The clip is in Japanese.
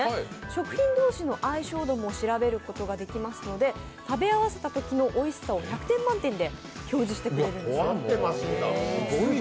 食品同士の相性度も調べることができますので、食べ合わせたときの相性を１００点満点で表示してくれるんです。